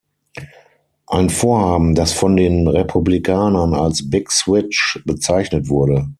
Ein Vorhaben, das von den Republikanern als „Big Switch“ bezeichnet wurde.